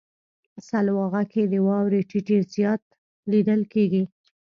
سلواغه کې د واورې ټيټی زیات لیدل کیږي.